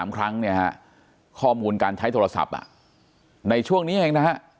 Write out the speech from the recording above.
๔๓ครั้งข้อมูลการใช้โทรศัพท์ในช่วงนี้ยังไงนะฮะ